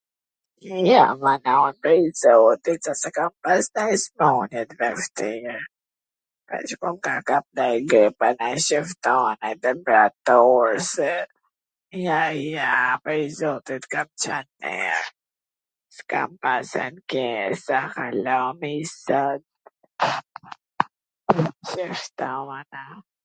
Jo, mana, prej zotit, s a se kam pas nanj smun-je t veshtir... veC po m ka kap nanj grip, a nonj si ftom, temperatur, se, ja ja, prej zotit, kam qwn miir, s kam pas ankesa ...hala mi sot... qashtu, mana.